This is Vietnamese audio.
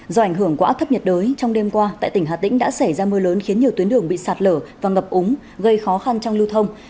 do ảnh hưởng của áp thấp nhiệt đới trong đêm qua tại tỉnh hà tĩnh đã xảy ra mưa lớn khiến nhiều tuyến đường bị sạt lở và ngập úng gây khó khăn trong lưu thông